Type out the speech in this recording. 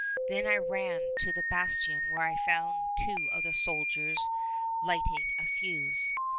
Then I ran to the bastion, where I found two of the soldiers lighting a fuse.